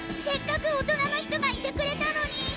せっかく大人の人がいてくれたのに。